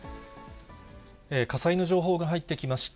火災の情報が入ってきました。